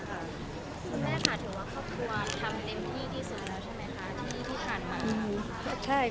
คุณแม่ค่ะถือว่าครอบครัวทำเต็มที่ที่สุดแล้วใช่ไหมคะที่ผ่านมา